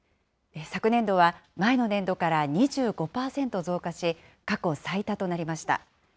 昨年度は前の年度から２５％増加し、過去最多となりました。